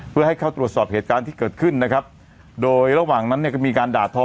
เพื่อให้เข้าตรวจสอบเหตุการณ์ที่เกิดขึ้นนะครับโดยระหว่างนั้นเนี่ยก็มีการด่าทอ